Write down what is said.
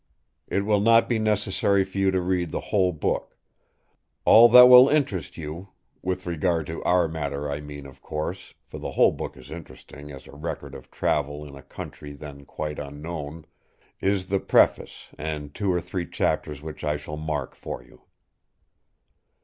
It will not be necessary for you to read the whole book. All that will interest you—with regard to our matter I mean of course, for the whole book is interesting as a record of travel in a country then quite unknown—is the preface, and two or three chapters which I shall mark for you."